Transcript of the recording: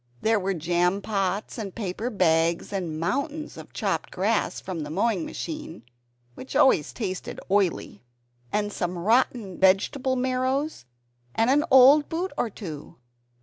There were jam pots and paper bags, and mountains of chopped grass from the mowing machine (which always tasted oily), and some rotten vegetable marrows and an old boot or two.